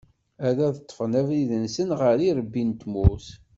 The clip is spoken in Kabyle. Ad d-ṭṭfen abrid-nsen ɣer yirebbi n tmurt.